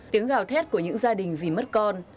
tiếng gào thét của những gia đình vì mất con